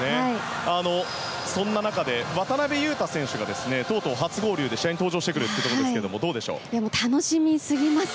そんな中、渡邊雄太選手がとうとう初合流で試合に登場してくるということですが楽しみすぎます。